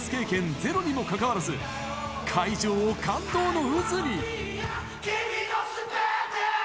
ゼロにもかかわらず、会場を感動の渦に。